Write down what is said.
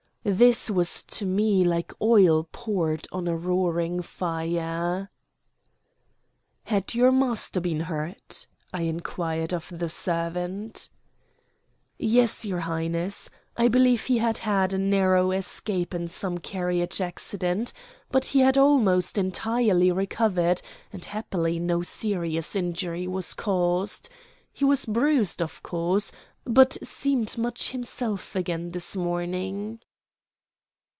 This was to me like oil poured on to a roaring fire. "Had your master been hurt?" I inquired of the servant. "Yes, your Highness. I believe he had had a narrow escape in some carriage accident; but he had almost entirely recovered; and happily no serious injury was caused. He was bruised, of course, but seemed much himself again this morning."